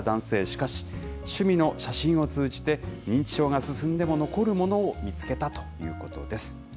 しかし、趣味の写真を通じて、認知症が進んでも残るものを見つけたということです。